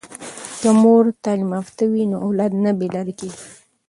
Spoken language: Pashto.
که مور تعلیم یافته وي نو اولاد نه بې لارې کیږي.